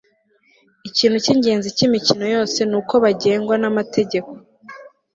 ikintu cyingenzi cyimikino yose nuko bagengwa namategeko